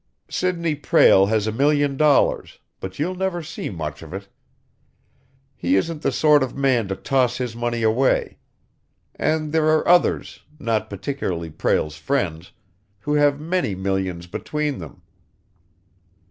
"Sidney Prale has a million dollars, but you'll never see much of it. He isn't the sort of man to toss his money away. And there are others, not particularly Prale's friends, who have many millions between them."